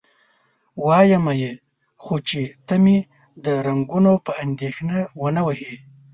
وایمه یې، خو چې ته مې د رنګونو په اندېښنه و نه وهې؟